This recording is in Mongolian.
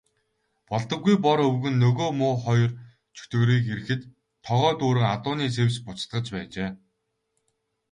Болдоггүй Бор өвгөн нөгөө муу хоёр чөтгөрийг ирэхэд тогоо дүүрэн адууны сэвс буцалгаж байжээ.